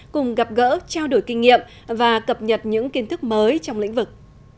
cùng gặp gỡ trao đổi kinh nghiệm và cập nhật những kiến thức mới trong lĩnh vực